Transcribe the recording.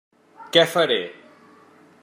Què faré?